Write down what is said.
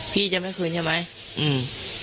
พี่จะไม่คืนใช่ไหมอืม